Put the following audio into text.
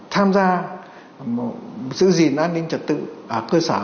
tham gia giữ gìn an ninh trật tự ở cơ sở